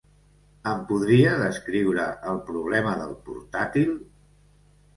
Em podria descriure el problema del portàtil?